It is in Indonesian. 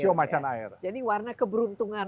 sio macan air jadi warna keberuntungan